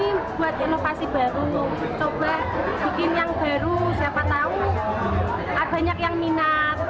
ini buat inovasi baru coba bikin yang baru siapa tahu banyak yang minat